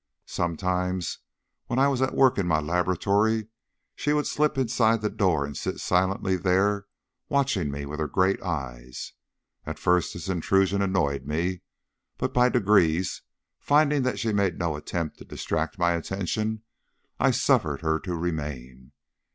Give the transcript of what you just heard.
Sometimes when I was at work in my laboratory she would slip inside the door and sit silently there watching me with her great eyes. At first this intrusion annoyed me, but by degrees, finding that she made no attempt to distract my attention, I suffered her to remain.